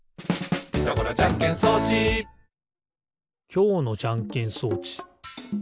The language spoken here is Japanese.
きょうのじゃんけん装置。